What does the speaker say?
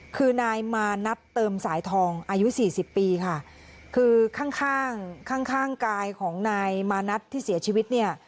คือนายมานัดเติมสายทองอายุสี่สิบปีค่ะคือข้างข้างข้างกายของนายมานัดที่เสียชีวิตเนี่ย